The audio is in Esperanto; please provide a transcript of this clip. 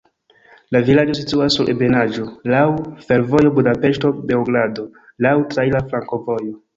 La vilaĝo situas sur ebenaĵo, laŭ fervojo Budapeŝto-Beogrado, laŭ traira flankovojo.